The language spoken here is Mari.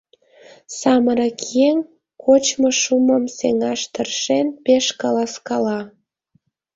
Самырык еҥ, кочмо шумым сеҥаш тыршен, пеш каласкала.